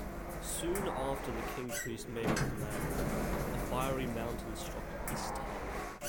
Soon after the Kingpriest made his demand, a "fiery mountain" struck Istar.